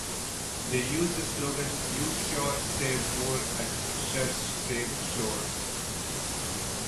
They used the slogan You sure save more at a ShurSave store.